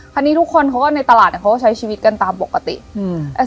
คราวนี้ทุกคนเขาก็ในตลาดเนี้ยเขาก็ใช้ชีวิตกันตามปกติอืม